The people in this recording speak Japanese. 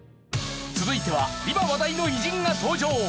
続いては今話題の偉人が登場！